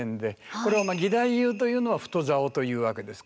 これは義太夫というのは太棹というわけですけど。